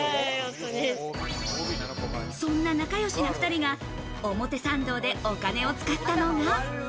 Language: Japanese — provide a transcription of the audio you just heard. そんな仲よしな２人が表参道でお金を使ったのが。